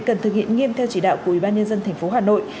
cần thực hiện nghiêm theo chỉ đạo của ubnd tp hà nội